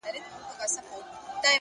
مثبت فکر ذهن روښانه ساتي؛